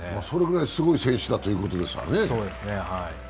それぐらいすごい選手だということですね。